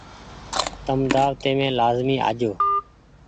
تم دآوتي مين لآزمي آجو ۔